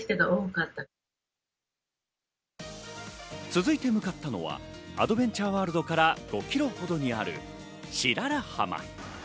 続いて向かったのはアドベンチャーワールドから５キロほどにある白良浜。